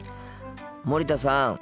森田さん。